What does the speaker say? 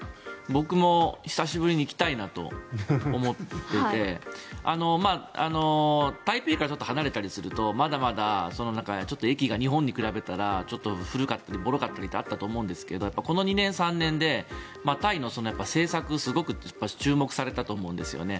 僕も久しぶりに行きたいなと思っていて台北からちょっと離れたりするとまだまだ駅が日本に比べたら古かったりぼろかったりってあったと思うんですけどこの２年、３年で台湾の政策、すごく注目されたと思うんですよね。